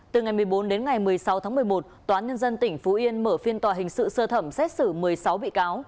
từ ngày một mươi bốn đến ngày một mươi sáu tháng một mươi một tòa nhân dân tỉnh phú yên mở phiên tòa hình sự sơ thẩm xét xử một mươi sáu bị cáo